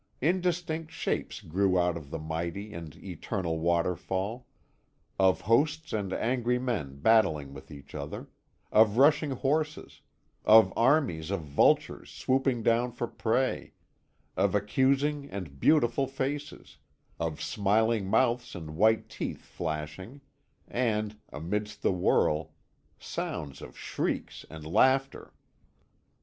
Indistinct shapes grew out of the mighty and eternal waterfall. Of hosts of angry men battling with each other; of rushing horses; of armies of vultures swooping down for prey; of accusing and beautiful faces; of smiling mouths and white teeth flashing; and, amidst the whirl, sounds of shrieks and laughter.